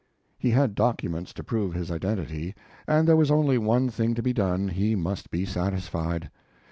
He had documents to prove his identity, and there was only one thing to be done; he must be satisfied.